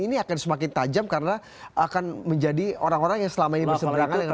ini akan semakin tajam karena akan menjadi orang orang yang selama ini berseberangan dengan